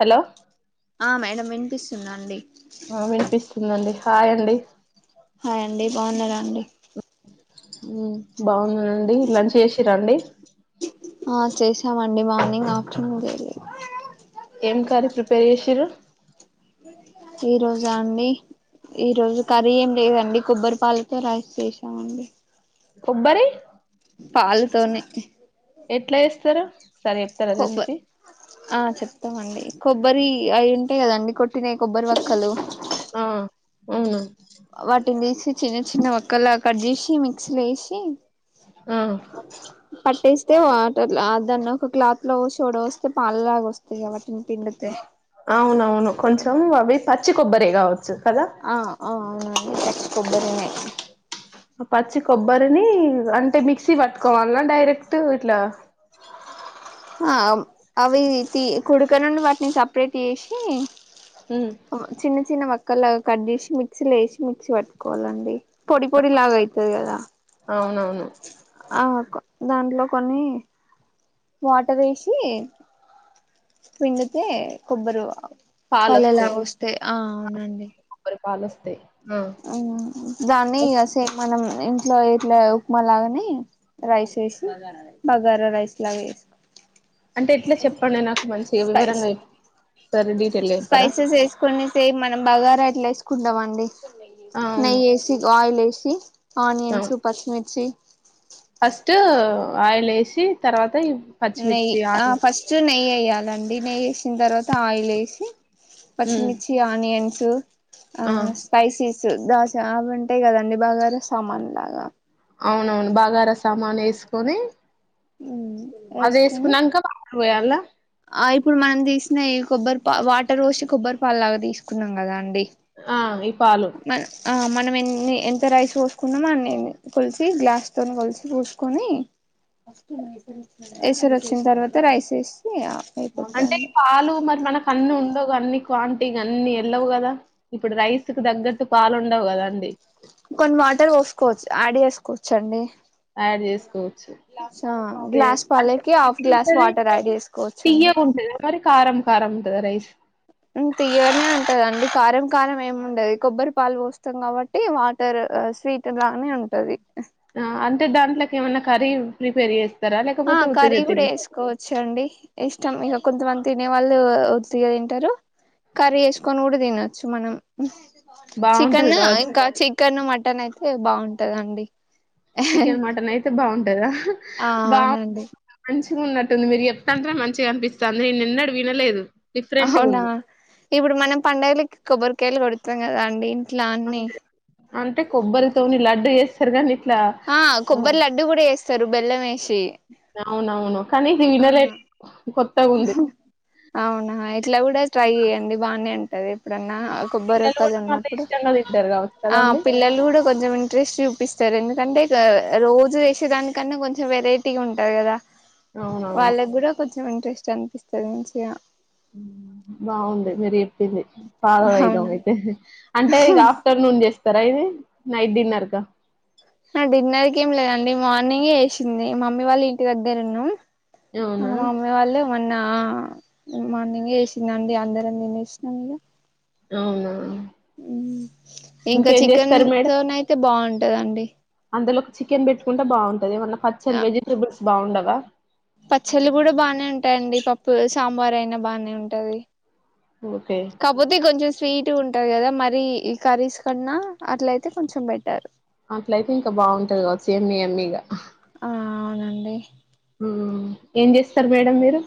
Hello ఆ madam వినిపిస్తుందా అండి ఆ వినిపిస్తుందండి హాయ్ అండి హాయ్ అండి బాగున్నారా అండి ఉమ్ బాగున్నారండి లంచ్ జేసిరా అండి ఆ చేసామండి మార్నింగ్ ఆఫ్టర్నూన్ జేయలే ఏం కర్రీ ప్రిపేర్ జేసిర్రు ఈ రోజా అండి ఈ రోజు కర్రీ ఏం లేదండి కొబ్బరిపాలతో రైస్ చేసామండి కొబ్బరి పాలుతోనే ఎట్లా చేస్తారు ఒకసారి చెప్తారా కొబ్బ రెసిపీ ఆ చెప్తామండి కొబ్బరి అవి ఉంటాయి కదండి కొట్టినాయి కొబ్బరి వక్కలు ఆ అవును వాటిని తీసి చిన్న చిన్న వక్కలాగా కట్ చేసి మిక్సీ లో వేసి ఆ అట దాన్ని ఒక క్లాత్ లో చూడ వస్తే పాల లాగా వస్తాయి కదా అవునవును కొంచెం అవి పచ్చి కొబ్బరి కదా ఆ ఆ అవును పచ్చి కొబ్బరి నే పచ్చి కొబ్బరిని అంటే మిక్సీ పట్టుకోవాల డైరెక్ట్ ఇట్లా ఆ అవి తి కొడుక నుండి వాటిని సపరేట్ చేసి ఉమ్ చిన్న చిన్న మక్కలాగా కట్ చేసి మిక్సీలో వేసి మిక్సీ పట్టుకోవాలండి. పొడి పొడి లాగా అయితది కదా అవునవును ఆ దాంట్లో కొన్ని వాటర్ వేసి పిండితే కొబ్బరు పాలల వస్తాయి ఆ అవునండి. పాలస్తాయి దాన్ని సే మనం ఇంట్లో ఎట్లా ఉప్మా లాగానే రైస్ వేసి బగారా రైస్ లాగా అంటే ఎట్లా చెప్పండి నాకు మంచి స్పైస్ వివరంగా చే డీప్ స్పైసెస్ వేసుకొని సే మనం బగారా ఎట్లా వేసుకుంటాండి అవును నెయ్యి వేసి ఆయిల్ వేసి ఆనియన్స్ అవును పచ్చిమిర్చి ఫస్ట్ ఆయిల్ వేసి తర్వాత నెయ్యి పచ్చిమిర్చి ఆ ఆని ఫస్ట్ నెయ్యి వేయాలండి నెయ్యి వేసిన తర్వాత ఆయిల్ వేసి హ్మ్ పచ్చిమిర్చి ఆనియన్స్ ఆ స్పపైసీస్ శుద్ద్దా చ ఉంటాయి కదండి బాగారు సామాన్ లాగా అవునవును బగారా సామాను వేసుకొని అది వేసుకొని వేసుకున్నాక పోయలా ఆ ఇప్పుడు మనం తీసిన ఈ కొబ్బరి పా వాటర్ వోస్ కొబ్బరి పాలు లాగా తీసుకున్నాం కదా అండి ఆ ఇ మ ఆ మ మనం ఎన్ని ఎంత రైస్ పోసుకున్నామో అన్ని కొలిసి గ్లాస్ తోని కోలిసి పోసుకొని ఎసర్ వచ్చిన తర్వాత రైస్ వేసి అంటే అయిపోతుందండి పాలు మరి మనకు అన్ని ఉండవు అన్ని క్వాంటీ అన్ని వెళ్ళవు కదా ఇప్పుడు రైస్ కి తగ్గట్టు పాలుండవు కదా అండి కొన్ని వాటర్ పోసుకోవచ్చు యాడ్ చేసుకోవచ్చండి. యాడ్ చేసుకోవచ్చు సేమ్ గ్లాస్ అంటే పాలాకి హాఫ్ గ్లాస్ వాటర్ యాడ్ చేసుకోవచ్చండి తీయగా ఉంటద అ మరి కారం కారం ఉంటద రైస్ తీయనే ఉంటదండి కారం కారం ఏమి ఉండదు కొబ్బరి పాలు పోస్తాం కాబట్టి వాటర్ స్వీట్ లానే ఉంటది ఆ అంటే దాంట్లోకి ఏమైన్నా కర్రీ ప్రిపేర్ చేస్త ఆ కర్రీ కూడా వేసుకోవచ్చు అండి ఇష్టం మీ కొంతమంది తినే వాళ్ళు వత్తిక తింటారు కర్రీ వేసుకొని కూడా తినొచ్చు మనం బాగుంటది చికెన్ కావచ్చు ఇంకా చికెన్ మటన్ అయితే బాగుంటందండి చికెన్ మటన్ అయితే బాగుంటదా ఆ బా అవునండి మంచిగా ఉన్నట్టుంది మీరు చెప్తా అంటేనే మంచిగా అనిపిస్తది నేను నిన్నడు వినలేదు డిఫరెంట్గా అవునా ఉంది ఇప్పుడు మనం పండగలకి కొబ్బరికాయలు కొడతాం కదా అండి ఇంట్లా అన్ని అంతే అంటే కొబ్బరితోని లడ్డు చేస్తారు కాని ఆ కొబ్బరి లడ్డూ కూడా చేస్తారు బెల్లం వేసి అవునవును కనీతీ న అవునా ఇట్లా కూడా ట్రై చేయ్యడి బానే అంటది ఇప్పుడన్నా కొబ్బరు పిల్లలు కద కూడా మళ్ళీ ఉన్నప్పుడు ఇష్టంగా తింటారు కావచ్చు ఆ కదండి పిల్లలు కూడా కొంచెం ఇంట్రెస్ట్ చూపిస్తారండి అంటే రోజు వేసే దానికన్నా కొంచెం వెరైటీగా ఉంటారు కదా అవునవును వాళ్ళకి కూడా కొంచెం ఇంట్రెస్ట్ అనిపిస్తుంది మంచిగా ఉమ్ బాగుంది మీరు చెప్పింది ఫాలో అయిదాం అవునా అయితే అంటే ఇగ ఆఫ్టర్నూన్ చేస్తారా ఇది నైట్ డిన్నర్గా డిన్నర్కి ఏం లేదండి మార్నింగే ఏసింది మమ్మీ వాళ్ళ ఇంటి దగ్గర ఉన్నాం మా అవునా మమ్మీ వాళ్ళే మొన్న ఆ మార్నింగే వేసిందండి అందరం తినేసినం ఇగ అవునా ఇంకా ఇంకేం చికెన్ చేస్తారు తోన అయితే బాగుంటదండి అందులో చికెన్ పెట్టుకుంటే బాగుంటది ఏమన్నా పచ్చళ్ వెజిటేబుల్స్ బాగుండవ పచ్చళ్ళు కూడా బాగానే ఉంటాయండి పప్పు సాంబార్ అయినా బానే ఉంటది ఓకే కాబోతే కొంచెం స్వీట్ టు ఉంటాది కదా మరి ఈ కర్రీస్ కన్నా అట్లయితే కొంచెం బెటర్ అట్లయితే ఇంకా బాగుంటది కావచ్చు ఏం ఏమ్మిగా ఆ అవునండి ఏం చేస్తారు మేడం మీరు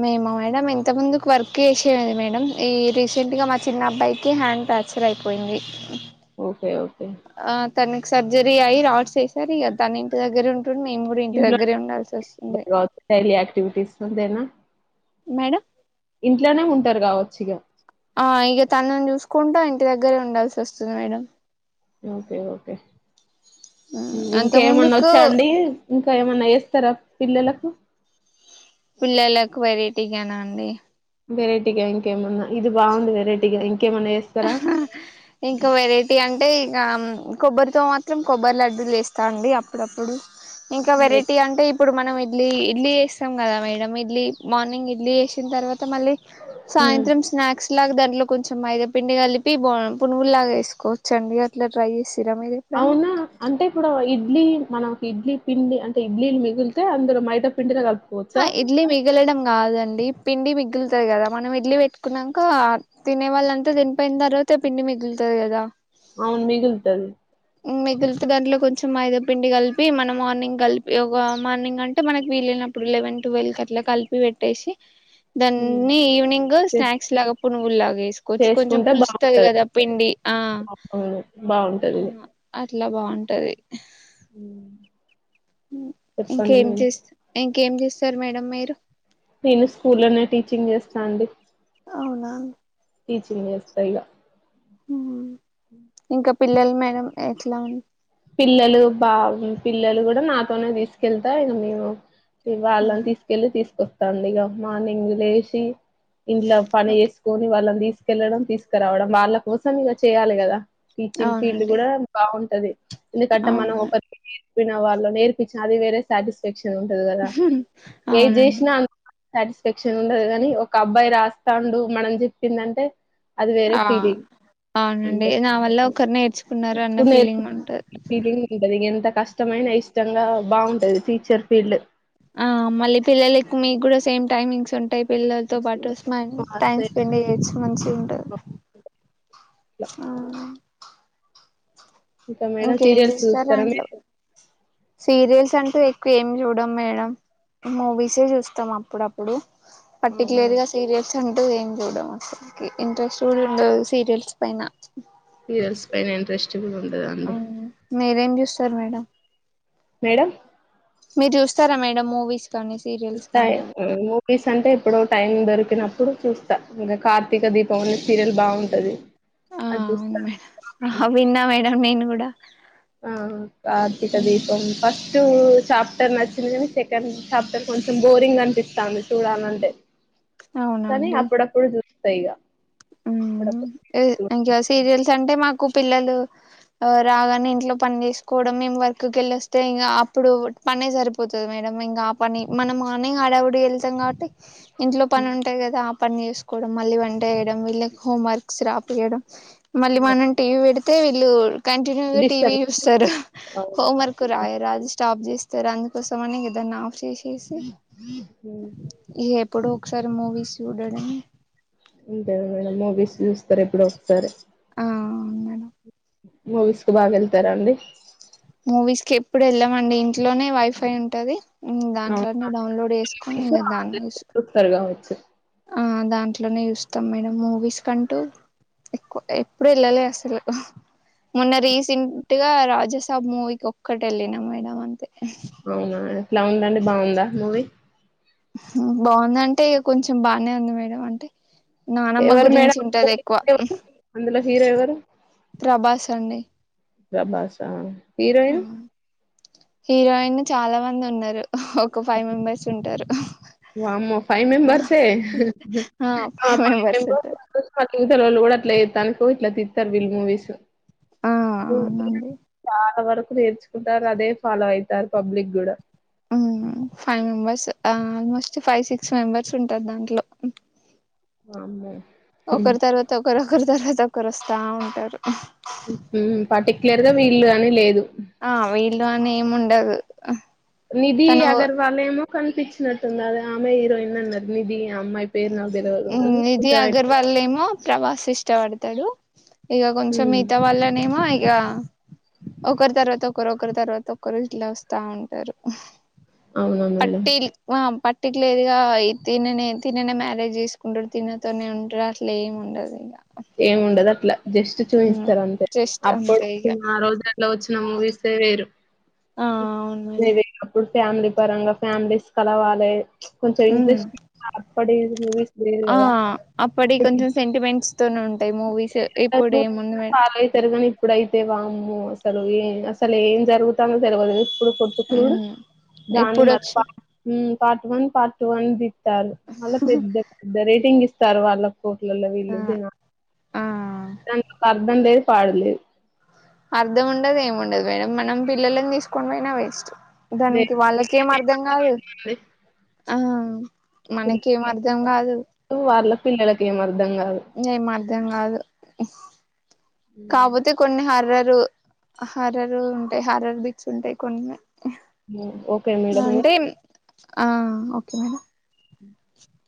మేము మేడం ఇంత ముందుకు వర్క్ చేసేది మేడం ఈ రీసెంట్ గా మా చిన్న అబ్బాయికి హ్యాండ్ ఫ్యాక్టర్ అయిపోయింది ఓకే ఓకే ఆ తనకి సర్జరీ అయి్ రాట్స్ ఏసారు ఇగ తను ఇంటి దగ్గర ఉన్ టండు మేము కూడా ఇంటి ఇంట్లో దగ్గరే ఉండాల్సి వస్తుంది కావచ్చు డైలీ యాక్టివిటీస్ అంతేనా మేడం ఇంట్లోనే ఉంటారు కావచ్చుగా ఆ ఇక తన ను చూసుకుంటా ఇంటి దగ్గరే ఉండాల్సి వస్తుంది మేడం ఓకే ఓకే అంత ఇంకేమన్నా ముందుకు వచ్చా అండి ఇంకా ఏమ్ మన్నా ఏ స్తారా పిల్లలకు పిల్లలకు వెరైటీగానా అండి వెరైటీగా ఇంకేమన్నా ఇది బాగుంది వెరైటీగా ఇం ఇంకా వెరైటీ అంటే యా కొబ్బరితో మాత్రం కొబ్బరి లడ్డూలు చేస్తా అండి అప్పుడప్పుడు ఇంకా వెరైటీ అంటే ఇప్పుడు మనం ఇడ్లీ ఇడ్లీ వేస్తాం కదా మేడం ఇడ్లీ మార్నింగ్ ఇడ్లీ వేసిన తర్వాత మళ్ళీ ఉమ్ సాయంత్రం స్నాక్స్ ఇట్లాగ దాంట్లో కొంచెం మైదా పిండి కలిపి బో పురుగులు లాగా వేసుకోవచ్చండి అట్లా ట్రై చేసి అవునా అంటె పుడు ఇడ్లీ మనకి ఇడ్లీ పిండి అంటే ఇడ్లీలు మిగిలితే అందలో మైద పిండినే కల్ప్ హ ఇడ్లీ మిగలడం కాదండి పిండి మిగులుతాది కదా మనం ఇడ్లి పెట్టుకున్నాక తినే వాళ్ళ అంతా తినిపోయిన తర్వాత పిండి మిగులుతది లేదా అవును మిగులుతది. మ్ మిగిలితే దాంట్లో కొంచెం మైదా పిండి కలిపి మనం మార్నింగ్ కలిపి ఒక మార్నింగ్ అంటే మనకి వీలైన ప్పుడు లెవెన్ ట్వెల్వ్ అట్లా కలిపి పెట్టేసి హ్మ్. దాన్ని ఈవినింగ్ చేస్ స్నాక్స్ లాగా పునుగు లాగా వేసుకోవచ్చు కొంచెం పులుస్తది కదా పిండి ఆ ఆపళ్ళు ఆ బాగుంటది అట్లా బాగుంటది ఉమ్ ఇంకేం చేస్త ఇంకేం చేస్తారు మేడం మీరు నేను స్కూలోనే టీచింగ్ చేస్తా అండి అవునా టీచింగ్ చేస్తా ఇగా ఊ ఇంకా పిల్లలు మేడం ఎట్లా పిల్లలు బా పిల్లలు కూడా నాతోనే తీసుకెళ్తా ఇగ మేము ఇవాళ్ళ తీసుకెళ్ళి తీసుకొస్తాండి ఇగ మార్నింగ్ లేచి ఇంట్ల పని ఓకే చేసుకొని వాళ్ళని తీసుకెళ్లడం తీసుకురావడం వాళ్ళ కోసం ఇక చేయాలి కదా టీచింగ్ ఫీల్డ్ అవునండి కూడా బాగుంటది ఎందుకంటే మనం అవును ఒకరికి నేర్ప్ చెప్పిన వాళ్ళు నేర్పించిన అది వేరే సాటిస్ఫాక్షన్ ఉంటది కదా ఏ అవునండి జేసినా అ సాటిస్స్ఫాక్షన్ ఉండదు గానీ ఒక అబ్బాయి రాస్తాండు మనం చెప్పిందంటే అది వేర ఆ ఫీలింగ్ అవునండి అంతే నా వల్ల ఉ ఒకరు నేర్చుకున్నారు అన్న ఉప్పు నేర్పు ఫీలింగ్ ఉంటది అ ఫీలింగ్ ఉంటది ఇగ ఎంత కష్టమైనా ఇష్టంగా బాగుంటది టీచర్ ఫీల్డ్ ఆ మళ్ళీ పిల్లలు ఎక్కు మీకు కూడా సేమ్ టైమింగ్స్ ఉం అంటె పిల్లలతో పాటు స్మన్ టైం స్పెండ్ చెయ్యొచ్చు మంచి ఉంటంది ట్ల ఇంకేం సీరియల్స్ చూస్తారా చేస్తారాంట్లో మీరు సీరియల్స్ అంటూ ఎక్కువ ఏమి చూడం మేడం మూవీసే చూస్తాం అప్పుడప్పుడు అవునా పర్టిక్లర్ గా సీరియల్స్ అంటూ ఏం చూడము ఇంట్రెస్ట్ కూడా ఉండదు సీరియల్స్ పైన సిరియల్స్ పైన ఇంట్రెస్ట్ కూడా ఉండదండి మ్ మీరేం చూస్తారు మేడం మేడమ్ మీరు చూస్తారా మేడం మూవీస్ కానీ సీరియల్స్ కానీ టైం ఊ మూవీస్ అంటే ఎప్పుడో టైం దొరికినప్పుడు చూస్ త ఇంకా కార్తీక దీపం అనే సిరియల్ బాగుంటది అజుస్థా డ నేను కూడా కార్తీక దీపం ఫస్ట్ చాప్టర్ నచ్చింది కానీ సెకండ్ చాప్టర్ కొంచెం బోరింగ్ అనిపిస్తాంది చూడాలంటే అవునా కానీ అప్పుడప్పుడు చూస్తా ఇక ఊ ఏ ఇంకా సీరియల్స్ అంటే మాకు పిల్లలు ఆ రాగానే ఇంట్లో పని చేసుకోవడం మేము వర్క్క వెళ్ళి వస్తే ఇంకా అప్పుడు పనే సరిపోతది మేడం మనం ఇంకా పని మనం మార్నింగ్ హడవుడిగ వెళ్తాం కాబట్టి ఇంట్లో పని ఉంటది కదా ఆ పని చేసుకోవడం మళ్ళీ వంట ఏ డం వీళ్ళకు హోమ్ వర్క్స్ రాపియడం మళ్ళీ మనం టీవీ పెడితే వీళ్ళు కంటిన్యూగా టీవీ డిస్టర్బ్ చూస్తారు అవును హోం వర్క్ రాయ రాదు స్టాప్ చేస్ అందుకోసం అని ఇగ దాన్ని ఆఫ్ చేసేసి ఎప్పుడో ఒకసారి మూవీస్ చూడడం ఉంటయ్‌ మేడం మూవీస్ చూస్తారు ఎప్పుడో ఒకసారి ఆ అవును మేడం మూవీస్ కు బాగా వెళ్తారాండి మూవీస్ కి ఎప్పుడు ఎళ్ళమండి ఇంట్లోనే వైఫై ఉంటది ఊ అవునా దాంట్లోనే డౌన్లోడ్ వేసుకొని ఇంగ్లీష్ ఇగ దాన్ని చూసు చూస్తారు కావచ్చు ఆ దాంట్లోనే చూస్తాం మేడం మూవీస్ కంటూ ఎక్కువ ఎప్పుడు వెళ్ళలే అస్సలు మొన్న రీసెంట్ గా రాజసాబ్ మూవీకి ఓక్ ఒక్కటెల్లిన మేడం అంతే ఎలా ఉందండి బాగుందా మూవీ బాగుంద అంటే ఇక కొంచెం బానే ఉంది మేడం అంటే నానమ్మ ఎవరు గురించి మేడం ఉంటది ఎక్కువ ఎవరు అందులో హీరో ఎవరు ప్రభాస్ అండి ప్రభాసా హీరోయిన్ హీరోయిన్ చాలా మంది ఉన్నారు ఒక ఫైవ్ మెంబర్స్ ఉంటారు వామ్మో ఫైవ్ మెంబర్స్ ఏ ఆ ఫైవ్ మెంబర్స్ ఉంటారు తెల్వనియి కూడా అట్ల చేత్తానికి ఇట్లా తిత్తరు వీళ్ళు మూవీస్ ఆ అవునండి చాలా వరకు నేర్చుకుంటర్రు అదే ఫాలో అయితారు పబ్లిక్ గూడా ఉమ్ five members almost five six members ఉంటారు దాంట్లో వామ్మో హ్మ్. ఒకరి తర్వాత ఒకరు ఒకరి తర్వాత ఒకరు వస్తా ఉంటారు ఉ‌ హు పర్టిక్యులర్ గా వీళ్ళు అని లేదు ఆ వీళ్ళు అని ఏమి ఉండదు తనూ కనిపిచ్చినట్టుంది అదే ఆమె హీరోయిన్ అన్నారు నిది నిది అటు అగర్వాళ్నేమో ప్రభాస్ ఇష్టపడత్ తడు ఇగ కొంచెం హ్మ్. మిగతా వాళ్ళనేమో ఇగ ఒకరి తర్వాత ఒకరు ఒకరు తర్వాత ఒకరు ఇట్ల వస్తా ఉంటరు అవునా మేడం పట్టిల్ ఆ పట్టిట్లేదుగా ఇ దీన్ని నేన్ తిననే మ్యారేజ్ చేసుకుంటడు తినతోనే ఉంటాడు అట్ల ఏమ్ ఉండదు ఇగ ఏముండదు అట్లా జస్ట్ చూయిస్తారు అంతే జస్ట్ అంతే ఇక అప్పుడు ఆ రోజులల్లో వచ్చిన మూవీసే వేరు ఆ అవును నువేప్పుడు ఫ్యామిలీ పరంగా ఫ్యామిలీస్ కలవాలే కొంచెం మేడం ఇంట్రెస్ట్ంగ్ గా అప్పడియే మూవీస్ లేదు ఆ కదా అప్పటియ్ ఇప్పుడు కొంచెం సెంటిమెంట్స్ తోని ఉంటాయి మూవీస్ ఇప్పుడు ఏముంది మే ఫాలో అయితారు కానీ ఇప్పుడైతే వామ్మో అసలు ఏ అసలు ఏం జరుగుతాందో తెలవదు ఇప్పుడు కొట్టుకునుడు దాన్ని ఇప్పుడు మ వచ్చి పార్ట్ వన్ పార్ట్ టూ అని దీ స్తారు మళ్ళ పెద్ద పెద్ద రేటింగ్ ఇస్తారు వాళ్ళక్ కోట్లల్ల ఆ వీళ్ళు ఆ దానికోక అర్థం లేదు పాడులేదు అర్ధం ఉండదు ఏముండదు మేడం మనం పిల్లలని తీసుకొని పోయినా వేస్ట్ లే దానికి వాళ్ళకేం అర్ధం కాదు పిల్లలకేమర్థమవుతుందండి. ఆ మనకిేం అర్ధం కాదు పిల్లలు వాళ్ళ పిల్లలకి ఏం అర్ధం కాదు ఏం అర్థం కాదు హ్మ్. కాపోతే కొన్ని హార్ హరారు హారారు ఉంటాయి హారర్ బిచ్ ఉంటాయి కొన్ని ఓకే మేడం అంటే ఆ ఓకే మేడం [inaudible]